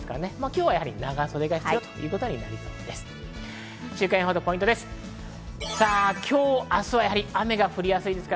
今日はやはり長袖が必要ということになります。